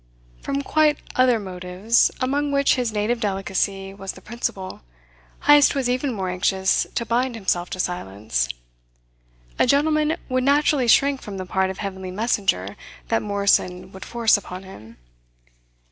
From quite other motives, among which his native delicacy was the principal, Heyst was even more anxious to bind himself to silence. A gentleman would naturally shrink from the part of heavenly messenger that Morrison would force upon him.